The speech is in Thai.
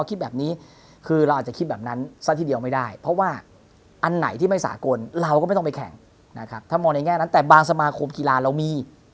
คิดแบบนี้คือเราอาจจะคิดแบบนั้นซะทีเดียวไม่ได้เพราะว่าอันไหนที่ไม่สากลเราก็ไม่ต้องไปแข่งนะครับถ้ามองในแง่นั้นแต่บางสมาคมกีฬาเรามี